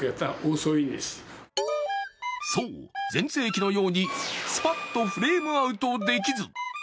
そう、全盛期のようにスパッとフレームアウトできず。